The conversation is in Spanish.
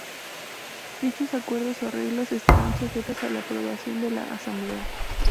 Dichos acuerdos o arreglos estarán sujetos a la aprobación de la Asamblea.